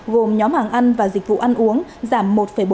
gồm nhóm hàng ăn và dịch vụ ăn uống giảm một bốn mươi một